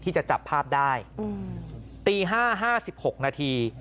จะจับภาพได้ตี๕๕๖นาที